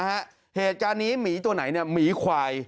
เหตุจานี้หมีตัวไหนหมีขวาย